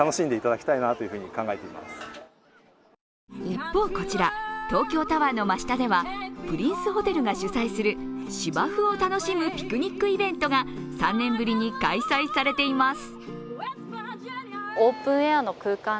一方、こちら、東京タワーの真下ではプリンスホテルが主催する芝生を楽しむピクニックイベントが３年ぶりに開催されています。